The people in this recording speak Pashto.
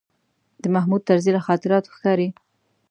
د محمود طرزي له خاطراتو ښکاري.